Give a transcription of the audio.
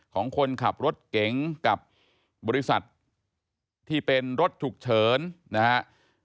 ของคนขับรถเก๋งกับบริษัทที่เป็นรถฉุกเฉินนะครับ